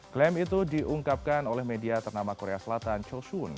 klaim itu diungkapkan oleh media ternama korea selatan chosun